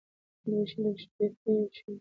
دوه شلې او ښپيته يو شٸ دى